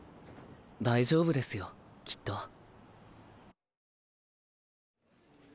大丈夫ですよきっと。